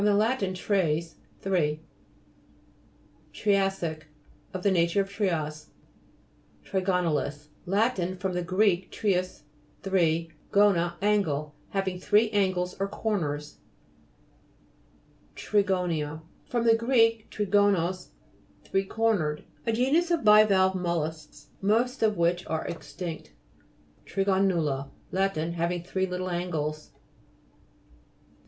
lat. tres, three (p. 49). TRIA'SSIC Of the nature of trias. TRIGONA'LIS Lat. fr. gr. treis, three, gonia, angle. Having three angles or corners. TRIGO'NIA fr. gr. trigonos, three cornered. A genus of bivalve mol lusks most of which are extinct. THIGO'NULA Lat. Having three little angles.